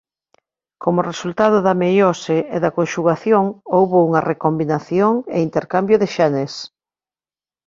Como resultado da meiose e da conxugación houbo unha recombinación e intercambio de xenes.